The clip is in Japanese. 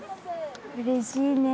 うれしいね。